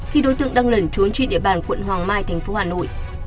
khi đối tượng đang lẩn trốn trên địa bàn quận hoàng mai thành phố hà nội